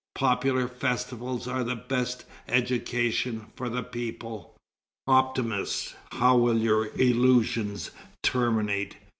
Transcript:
Popular festivals are the best education for the people." Optimists, how will your illusions terminate?